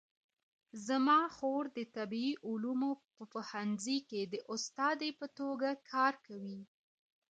زما خور د طبي علومو په پوهنځي کې د استادې په توګه کار کوي